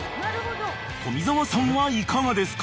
［富澤さんはいかがですか？］